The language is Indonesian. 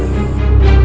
aku akan mencari kau